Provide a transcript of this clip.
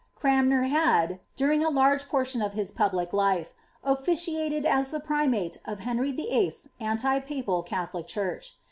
J Crannier had, during a large portion of his public life, officiated u tlwfl primate of Henry Vllt.'s anti papa! Catholic Church.